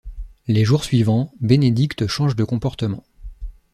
Les jours suivants, Bénédicte change de comportement.